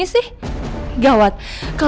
ini sedikit buruk bagi